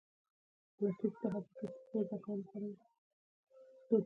مه دومره تريخ سه چې څوک دي و غورځوي.